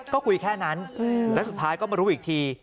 ก็คุยแค่นั้นแล้วสุดท้ายก็มารู้อีกที